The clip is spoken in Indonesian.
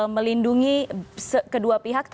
melindungi kedua pihak